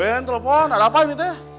bambang telepon ada apa ini